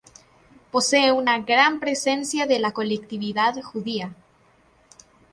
Posee una gran presencia de la colectividad judía.